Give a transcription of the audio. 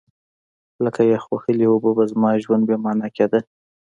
لکه یخ وهلې اوبه به زما ژوند بې مانا کېده.